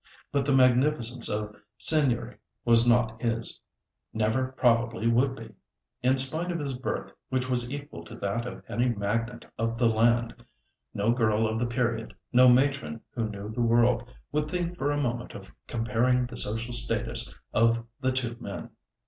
But the magnificence of "seigneury" was not his—never probably would be. In spite of his birth, which was equal to that of any magnate of the land, no girl of the period, no matron who knew the world, would think for a moment of comparing the social status of the two men.